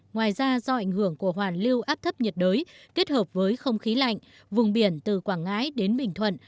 ngoài ra do ảnh hưởng của hoàn lưu áp thấp nhiệt đới kết hợp với không khí lạnh vùng biển từ quảng ngãi đến bình thuận